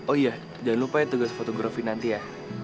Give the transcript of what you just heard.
oh iya jangan lupain tugas fotografi nanti ya